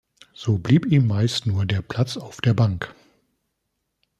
So blieb ihm meist nur der Platz auf der Bank.